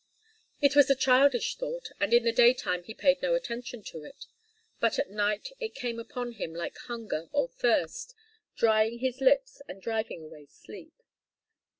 It was a childish thought, and in the daytime he paid no attention to it, but at night it came upon him like hunger or thirst, drying his lips and driving away sleep.